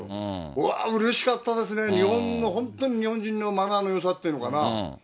うわー、うれしかったですね、日本の、本当に日本人のマナーのよさっていうのかな。